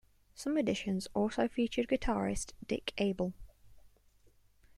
Some editions also featured guitarist Dick Abell.